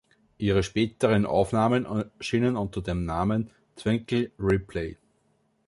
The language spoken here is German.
Ihre späteren Aufnahmen erschienen unter dem Namen Twinkle Ripley.